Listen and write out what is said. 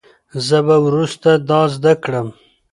زه به وروسته دا زده کړم.